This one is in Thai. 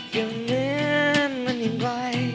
ขอบคุณค่ะ